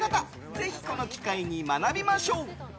ぜひ、この機会に学びましょう。